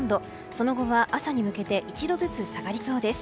その後は朝に向けて１度ずつ下がりそうです。